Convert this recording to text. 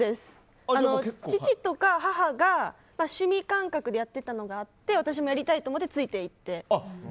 父とか母が趣味感覚でやっていたのがあって私もやりたいと思ってついていって。